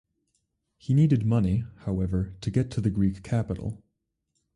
He needed money, however, to get to the Greek capital.